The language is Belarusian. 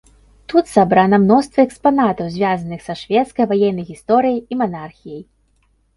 Тут сабрана мноства экспанатаў, звязаных са шведскай ваеннай гісторыяй і манархіяй.